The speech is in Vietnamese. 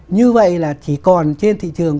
như vậy là chỉ còn trên thị trường